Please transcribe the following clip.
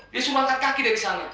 dia cuma angkat kaki dari sana